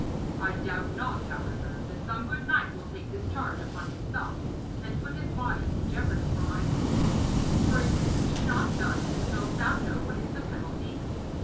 I doubt not, however, that some good knight will take this charge upon himself, and put his body in jeopardy for my queen. For if this be not done, dost thou know what is the penalty?'